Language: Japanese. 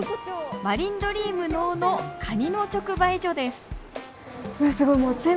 マリンドリーム能生のカニの直売所ですうわ